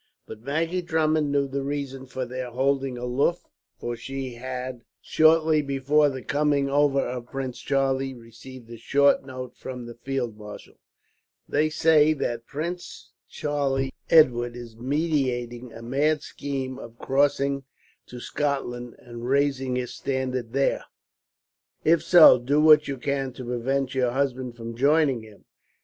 But Maggie Drummond knew the reason for their holding aloof; for she had, shortly before the coming over of Prince Charlie, received a short note from the field marshal: "They say that Prince Charles Edward is meditating a mad scheme of crossing to Scotland, and raising his standard there. If so, do what you can to prevent your husband from joining him.